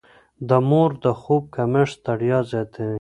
د مور د خوب کمښت ستړيا زياتوي.